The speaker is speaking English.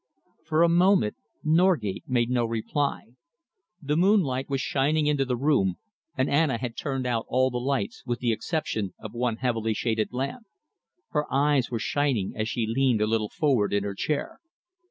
For a moment Norgate made no reply. The moonlight was shining into the room, and Anna had turned out all the lights with the exception of one heavily shaded lamp. Her eyes were shining as she leaned a little forward in her chair.